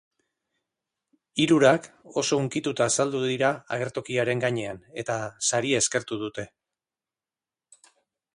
Hirurak oso hunkituta azaldu dira agertokiaren gainean, eta saria eskertu dute.